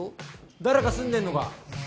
誰か住んでんのか？